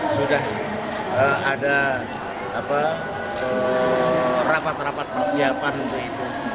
sudah ada rapat rapat persiapan untuk itu